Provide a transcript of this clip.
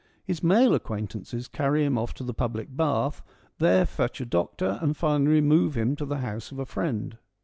His male acquaintances carry him off to the public bath, there fetch a doctor, and finally remove him to the house of a friend.